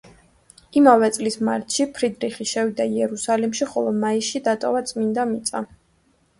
იმავე წლის მარტში ფრიდრიხი შევიდა იერუსალიმში, ხოლო მაისში დატოვა წმინდა მიწა.